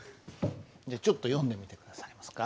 じゃあちょっと読んでみて下さいますか。